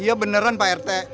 iya beneran pak rt